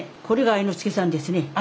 これが愛之助さんですね。